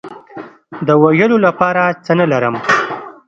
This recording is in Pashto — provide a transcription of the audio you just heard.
د ویلو لپاره څه نه لرم